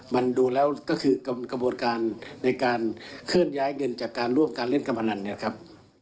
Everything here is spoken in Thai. มันดูแล้วก็คือกระบวนการในการเคลื่อนย้ายเงินจากการร่วมการเล่นการพนันเนี่ยครับ